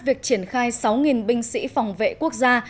việc triển khai sáu binh sĩ phòng vệ quốc gia